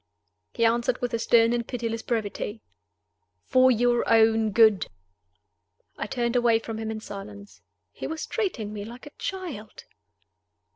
He answered with a stern and pitiless brevity, "For your own good." I turned away from him in silence. He was treating me like a child.